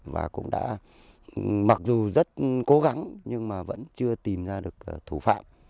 và cũng đã mặc dù rất cố gắng nhưng mà vẫn chưa tìm ra được thủ phạm